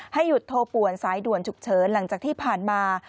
หยุดโทรป่วนสายด่วนฉุกเฉินหลังจากที่ผ่านมา